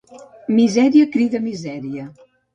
Misèria crida misèria.